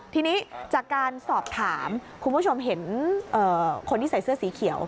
ทีนี้จากการสอบถามคุณผู้ชมเห็นคนที่ใส่เสื้อสีเขียว